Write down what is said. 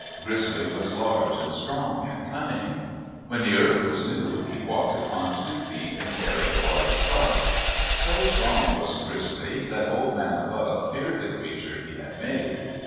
Grizzly was large and strong and cunning. When the earth was new he walked upon two feet and carried a large club. So strong was Grizzly that Old Man Above feared the creature he had made.